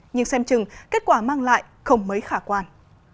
nhưng xem chừng kết quả mang lại không mấy khả quan